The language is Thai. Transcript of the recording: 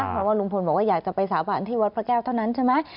เพราะว่าลุงพลบอกว่าอยากจะไปสาบานที่วัดพระแก้วเท่านั้นใช่ไหม